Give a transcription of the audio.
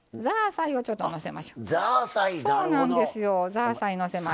ザーサイのせます。